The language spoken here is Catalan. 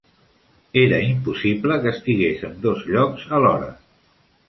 Era impossible que estigués en docs llocs alhora.